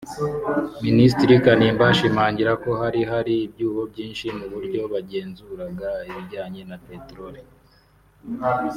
Minisitiri Kanimba ashimangira ko hari hari ibyuho byinshi mu buryo bagenzuraga ibijyanye na Peteroli